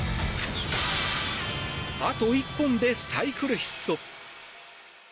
あと１本でサイクルヒット。